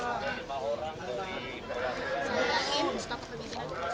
saya yakin stok kepemimpinan